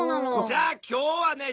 じゃあ今日はね